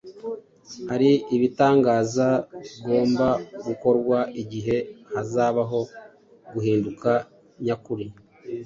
Hari ibitangaza bigomba gukorwa igihe hazabaho guhinduka nyakuri